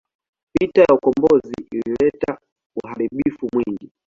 Vita ya ukombozi ilileta uharibifu mwingi.